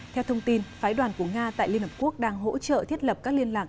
theo thông tin phái đoàn của nga tại liên hợp quốc đang hỗ trợ thiết lập các liên lạc